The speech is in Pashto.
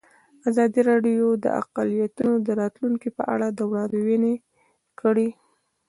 ازادي راډیو د اقلیتونه د راتلونکې په اړه وړاندوینې کړې.